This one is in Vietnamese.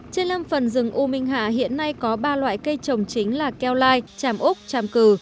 trên lâm phần rừng u minh hạ hiện nay có ba loại cây trồng chính là keo lai chàm úc tràm cừ